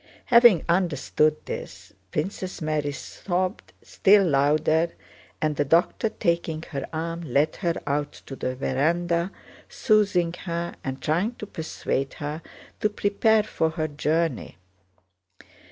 Having understood this Princess Mary sobbed still louder, and the doctor taking her arm led her out to the veranda, soothing her and trying to persuade her to prepare for her journey.